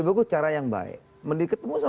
bagus cara yang baik mendi ketemu sama